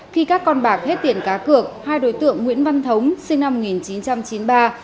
khi các con bạc hết tiền cá cược hai đối tượng nguyễn văn thống sinh năm một nghìn chín trăm chín mươi ba